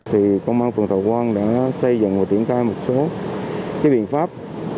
thì công an phường thảo quang đã xây dựng và triển khai một số cái biện pháp